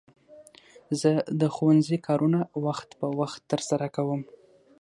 زه د ښوونځي کارونه وخت په وخت ترسره کوم.